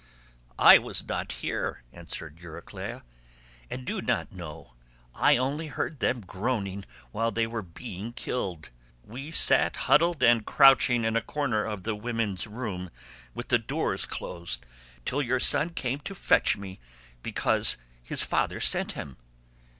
"I was not there," answered Euryclea, "and do not know; I only heard them groaning while they were being killed. We sat crouching and huddled up in a corner of the women's room with the doors closed, till your son came to fetch me because his father sent him.